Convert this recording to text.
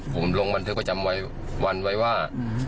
ผมลงบันทึกประจำวันไว้ว่า